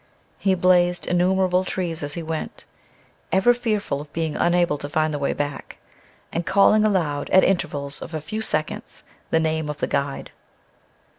He blazed innumerable trees as he went, ever fearful of being unable to find the way back, and calling aloud at intervals of a few seconds the name of the guide.